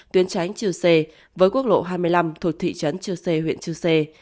tuyến tránh chư sê với quốc lộ hai mươi năm thuộc thị trấn chư sê huyện chư sê